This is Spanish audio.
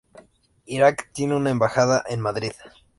Irak tiene una embajada en Madrid.